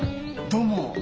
どうも。